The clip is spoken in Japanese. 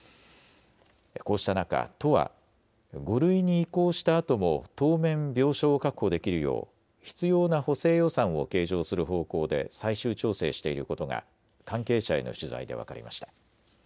こうした中、都は５類に移行したあとも当面、病床を確保できるよう必要な補正予算を計上する方向で最終調整していることが関係者への取材で分かりました。